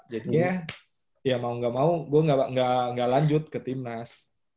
jadinya ya mau nggak mau gue gak lanjut ke timnas